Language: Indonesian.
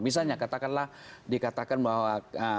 misalnya katakanlah dikatakan bahwa